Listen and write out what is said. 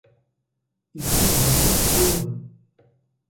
Ils sont en revanche onéreux.